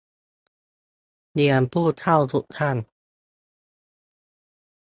เรียน ผู้เช่าทุกท่าน